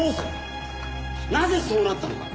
なぜそうなったのか